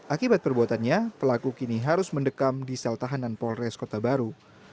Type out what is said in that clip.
akibat perbuatannya pelaku kini harus mendekam di sel tahanan polres kota baru